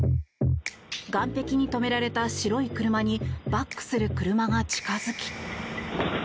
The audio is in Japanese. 岸壁に止められた白い車にバックする車が近付き。